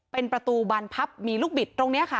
เป็นประตูบานพับมีลูกบิดตรงนี้ค่ะ